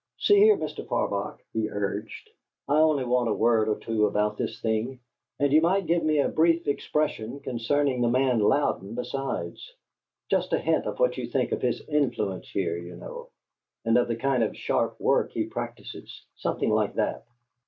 "See here, Mr. Farbach," he urged, "I only want a word or two about this thing; and you might give me a brief expression concerning that man Louden besides: just a hint of what you think of his influence here, you know, and of the kind of sharp work he practises. Something like that."